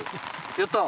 やったー